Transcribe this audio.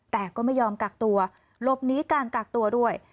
แต่ก็ไม่ยอมกักตัวหลบหนีการกักตัวด้วย